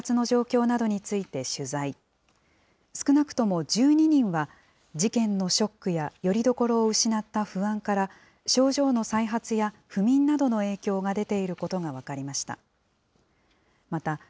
少なくとも１２人は、事件のショックやよりどころを失った不安から、症状の再発や不眠などの影響が出ていることが分かりました。